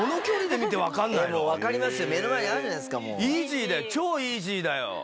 イージーだよ超イージーだよ。